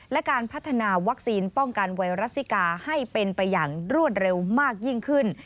และการพัฒนาวัคซีนป้องกันไวรัสซิกาให้เป็นไปอย่างรวดเร็วมากยิ่งขึ้น